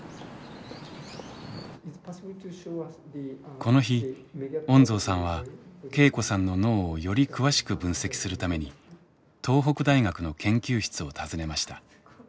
この日恩蔵さんは恵子さんの脳をより詳しく分析するために東北大学の研究室を訪ねました。